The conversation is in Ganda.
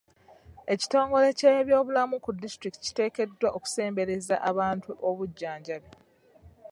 Ekitongole ky'ebyobulamu ku disitulikiti kiteekeddwa okusembereza abantu obujjanjabi.